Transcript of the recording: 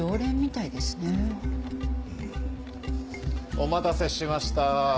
お待たせしました。